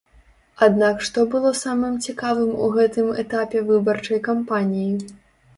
Аднак што было самым цікавым у гэтым этапе выбарчай кампаніі?